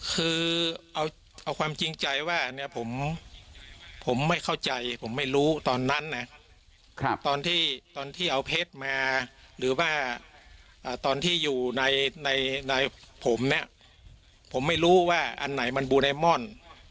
คือเอาความจริงใจว่าเนี่ยผมไม่เข้าใจผมไม่รู้ตอนนั้นนะตอนที่ตอนที่เอาเพชรมาหรือว่าตอนที่อยู่ในผมเนี่ยผมไม่รู้ว่าอันไหนมันบูไนมอน